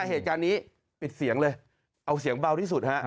เหตุการณ์นี้ปิดเสียงเลยเอาเสียงเบาที่สุดฮะ